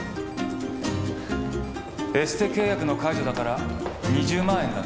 エステ契約の解除だから２０万円だね？